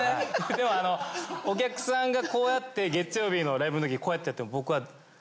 でもお客さんがこうやって月曜日のライブの時こうやってやっても。